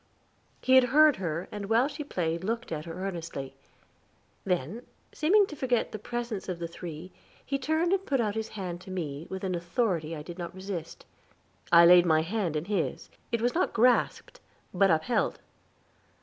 He had heard her, and while she played looked at her earnestly. Then, seeming to forget the presence of the three, he turned and put out his hand to me, with an authority I did not resist. I laid my hand in his; it was not grasped, but upheld.